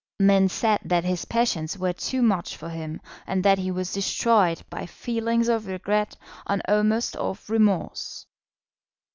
Men said that his passions were too much for him, and that he was destroyed by feelings of regret, and almost of remorse.